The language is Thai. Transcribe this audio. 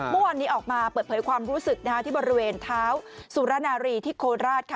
เมื่อวานนี้ออกมาเปิดเผยความรู้สึกที่บริเวณเท้าสุรนารีที่โคราชค่ะ